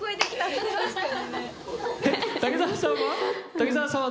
滝沢さんは？